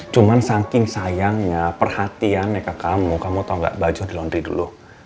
cuman saking sayangnya perhatian ya kak kamu kamu tau gak baju di laundry dulu